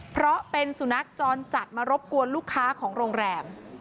เพราะเป็นสุนัขจรจัดมารบกวนลูกค้าของโรงแรม